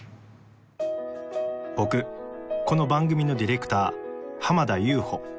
僕この番組のディレクター濱田悠歩。